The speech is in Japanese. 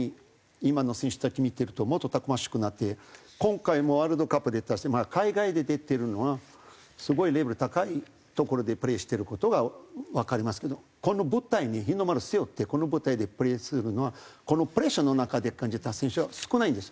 今の選手たち見てるともっとたくましくなって今回もワールドカップ出たし海外で出てるのはすごいレベル高い所でプレイしてる事がわかりますけどこの舞台に日の丸背負ってこの舞台でプレイするのはプレッシャーの中で感じた選手は少ないんです。